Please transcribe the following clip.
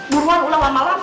buruan ulang lama lama